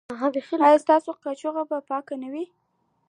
ایا ستاسو کاشوغه به پاکه نه وي؟